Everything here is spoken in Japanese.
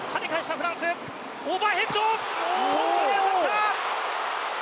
ポストに当たった！